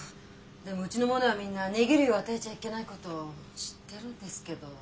でもうちの者はみんなネギ類を与えちゃいけないことを知ってるんですけど。